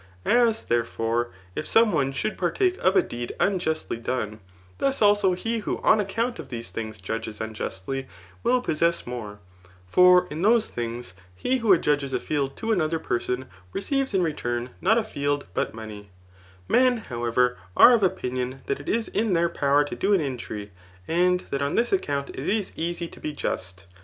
As, therefore, if some one should partake of a deed unjustly done, thus also he wh() on account of these things judges unjustly, will possess more ; for in those things he who adjudges a field to another person, rec^ves in return, not a field, but money Men, however, are of opinion that it is in their power to do an injury, and that on this account it is easy to be just.